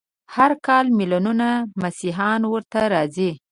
هر کال ملیونونه مسیحیان ورته راځي.